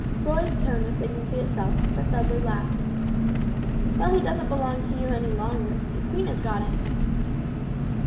Roy's tone was dignity itself, but Dudley laughed. "Well he doesn't belong to you any longer; the Queen has got him."